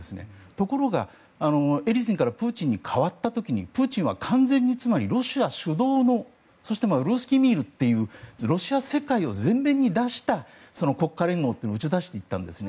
ところが、エリツィンからプーチンに代わった時にプーチンは完全にロシア主導のそしてルースキー・ミールロシア世界を前面に出した国家連合というのを打ち出していたんですね。